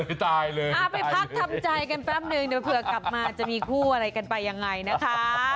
ตายเลยเอาไปพักทำใจกันแป๊บนึงเดี๋ยวเผื่อกลับมาจะมีคู่อะไรกันไปยังไงนะคะ